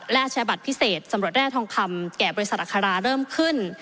และใช้บัตรพิเศษสำรวจแร่ทองคำแก่บริษัทอัคราเริ่มขึ้น